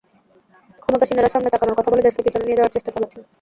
ক্ষমতাসীনেরা সামনে তাকানোর কথা বলে দেশকে পেছনে নিয়ে যাওয়ার চেষ্টা চালাচ্ছেন।